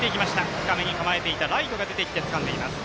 深めに守っていたライトがつかんでいます。